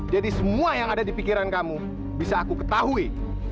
jadi semua yang ada di pikiran kamu bisa aku ketahui